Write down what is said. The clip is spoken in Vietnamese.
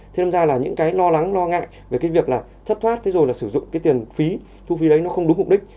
thế đâm ra là những cái lo lắng lo ngại về cái việc là thất thoát thế rồi là sử dụng cái tiền phí thu phí đấy nó không đúng mục đích